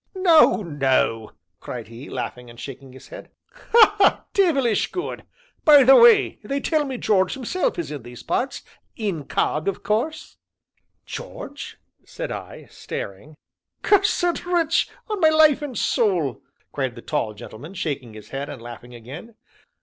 "No, no," cried he, laughing and shaking his head, "ha! ha! deyvilish good! By the way, they tell me George himself is in these parts incog. of course " "George?" said I, staring. "Cursed rich, on my life and soul!" cried the tall gentleman, shaking his head and laughing again.